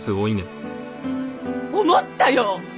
思ったよ！